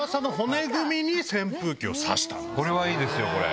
これはいいですよ。